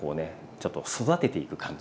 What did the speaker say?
ちょっと育てていく感じでね。